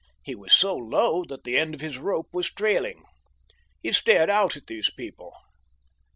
He was so low that the end of his rope was trailing. He stared out at these people.